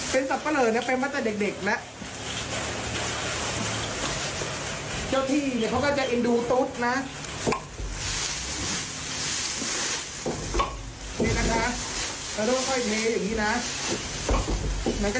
เป็นซับปะเรอเนี้ยเป็นมาตั้งแต่เด็กเด็กนะ